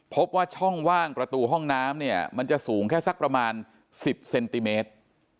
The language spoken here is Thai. พบว่าช่องว่างประตูห้องน้ำเนี่ยมันจะสูงแค่สักประมาณ๑๐เซนติเมตร